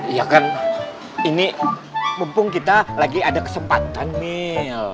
iya kan ini mumpung kita lagi ada kesempatan mil